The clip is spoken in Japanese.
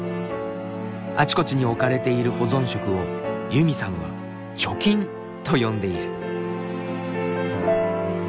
あちこちに置かれている保存食をユミさんは「貯金」と呼んでいる。